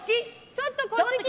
ちょっとこっち来。